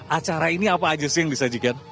acara ini apa aja sih yang bisa dikatakan